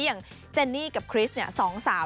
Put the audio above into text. อย่างเจนนี่กับคริสสองสาว